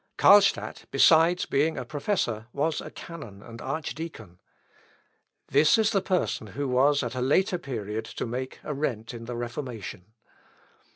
Carlstadt, besides being a professor, was a canon and archdeacon. This is the person who was at a later period to make a rent in the Reformation.